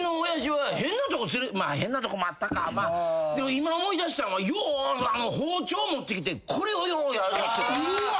今思い出したのはよう包丁持ってきてこれをようやってた。